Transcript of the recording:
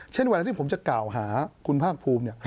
เวลาที่ผมจะกล่าวหาคุณภาคภูมิ